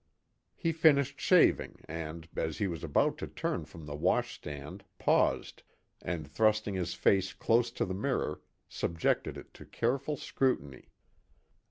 He finished shaving and, as he was about to turn from the wash stand paused, and thrusting his face close to the mirror, subjected it to careful scrutiny.